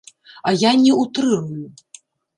А я не ўтрырую.